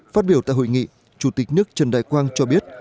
phát biểu tại hội nghị chủ tịch nước trần đại quang cho biết